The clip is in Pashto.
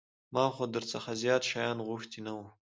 ما خو در څخه زيات شيان غوښتي نه وو.